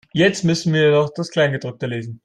Jetzt müssen wir noch das Kleingedruckte lesen.